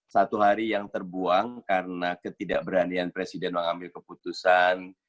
satu hari yang terbuang karena ketidakberanian presiden mengambil keputusan